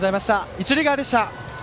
一塁側でした。